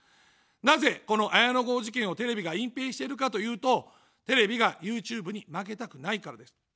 なぜ、この綾野剛事件をテレビが隠蔽しているかというと、テレビがＹｏｕＴｕｂｅに負けたくないからです。